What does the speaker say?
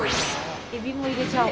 えびも入れちゃおう。